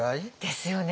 ですよね。